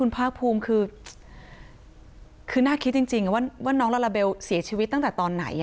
ภาคภูมิคือน่าคิดจริงว่าน้องลาลาเบลเสียชีวิตตั้งแต่ตอนไหน